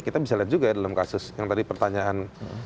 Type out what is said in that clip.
kita bisa lihat juga ya dalam kasus yang tadi pertanyaan